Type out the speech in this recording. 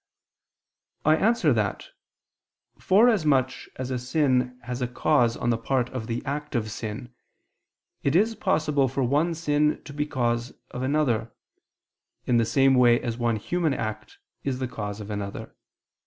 I answer that, Forasmuch as a sin has a cause on the part of the act of sin, it is possible for one sin to be the cause of another, in the same way as one human act is the cause of another.